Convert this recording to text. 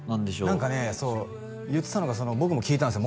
何かねそう言ってたのがその僕も聞いたんですよ